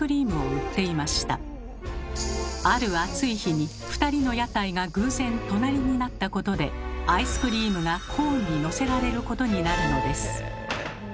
ある暑い日に２人の屋台が偶然隣になったことでアイスクリームがコーンにのせられることになるのです。